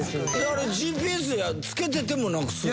あれＧＰＳがつけててもなくすの？